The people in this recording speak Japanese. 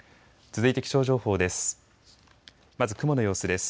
続いて気象情報です。